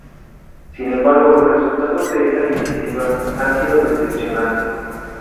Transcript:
Sin embargo, los resultados de esta iniciativa han sido decepcionantes.